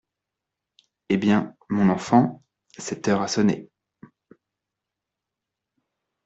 Eh bien, mon enfant, cette heure a sonné !